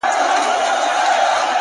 له شپږو مياشتو څه درد ـدرد يمه زه ـ